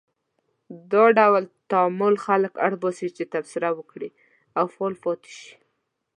دا ډول تعامل خلک اړ باسي چې تبصره وکړي او فعال پاتې شي.